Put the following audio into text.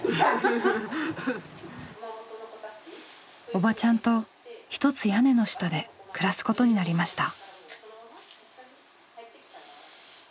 おばちゃんと一つ屋根の下で暮らすことになりました。